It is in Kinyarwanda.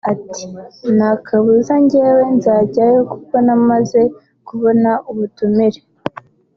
Ati “Nta kabuza njyewe nzajyayo kuko namaze kubona ubutumire